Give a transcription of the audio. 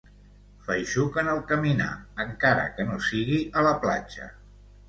Feixuc en el caminar, encara que no sigui a la platja.